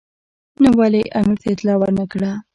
نو ولې یې امیر ته اطلاع ور نه کړه.